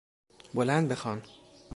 بلند بخوان!